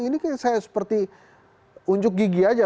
ini saya seperti unjuk gigi aja